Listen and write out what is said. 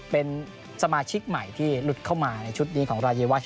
เป็นสมาชิกใหม่ที่หลุดเข้ามาในชุดนี้ของรายวัช